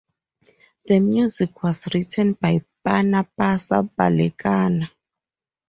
The music was written by Panapasa Balekana.